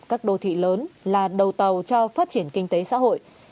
các đô thị lớn là đầu tàu cho phát triển kinh tế xã hội